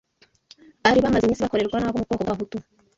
bari bamaze iminsi bakorerwa n’abo mu bwoko bw’Abahutu